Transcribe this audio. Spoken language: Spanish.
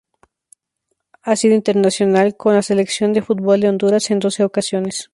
Ha sido internacional con la Selección de fútbol de Honduras en doce ocasiones.